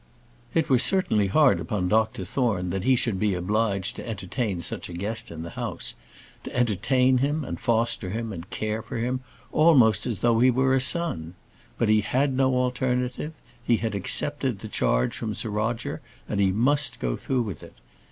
It was certainly hard upon Dr Thorne that he should be obliged to entertain such a guest in the house; to entertain him, and foster him, and care for him, almost as though he were a son. But he had no alternative; he had accepted the charge from Sir Roger, and he must go through with it.